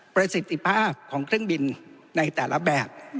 ประสิทธิภาพของเครื่องบินในแต่ละแบบ